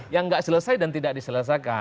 yang tidak selesai dan tidak diselesaikan